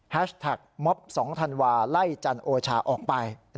แท็กม็อบ๒ธันวาไล่จันโอชาออกไป